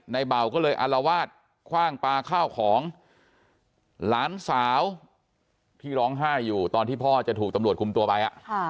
เบาก็เลยอารวาสคว่างปลาข้าวของหลานสาวที่ร้องไห้อยู่ตอนที่พ่อจะถูกตำรวจคุมตัวไป